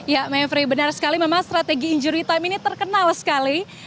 ya mevri benar sekali memang strategi injury time ini terkenal sekali